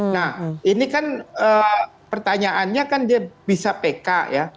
nah ini kan pertanyaannya kan dia bisa pk ya